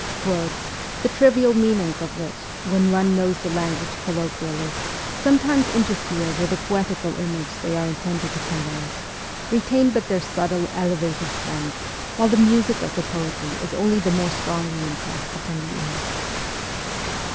Words, the trivial meanings of which, when one knows the language colloquially, sometimes inter fere with the poetical image they are intended to con vey, retain but their subtle, elevated sense ; while the music of the poetry is only the more strongly impressed upon the ear.